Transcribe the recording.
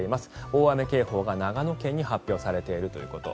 大雨警報が長野県に発表されているということ。